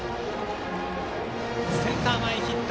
センター前ヒット。